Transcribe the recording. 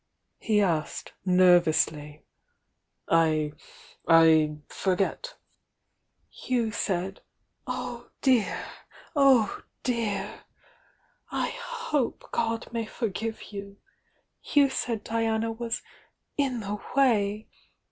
he asked, nervously. "I— I forget " "You said— oh, dear, oh, dear! I hope God may forgive you!— you said Diana was 'in the way!'